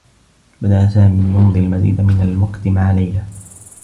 بدأ سامي يمضي المزيد من الوقت مع ليلى.